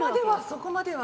そこまでは。